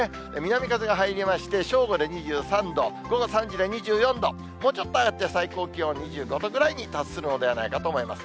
南風が入りまして、正午で２３度、午後３時で２４度、もうちょっと上がって、最高気温２５度くらいに達するのではないかと思います。